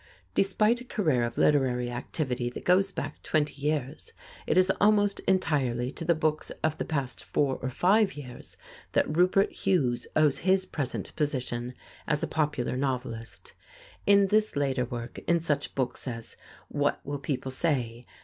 IRVING BACHELLER] Despite a career of literary activity that goes back twenty years, it is almost entirely to the books of the past four or five years that Rupert Hughes owes his present position as a popular novelist. In this later work, in such books as "What Will People Say?"